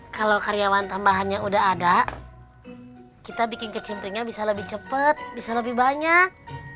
kalau karyawan tambahannya udah ada kita bikin kecimpingnya bisa lebih cepat bisa lebih banyak